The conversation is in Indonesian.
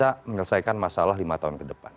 bisa menyelesaikan masalah lima tahun ke depan